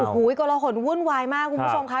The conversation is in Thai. โอ้โหกรหนวุ่นวายมากคุณผู้ชมค่ะ